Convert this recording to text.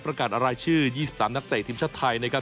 การรายชื่อ๒๓นักเตะทีมชาติไทยนะครับ